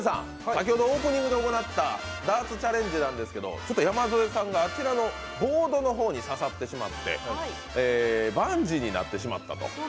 先ほどオープニングで行ったダーツチャレンジなんですが山添さんがあちらのボードに刺さってしまってバンジーになってしまったと。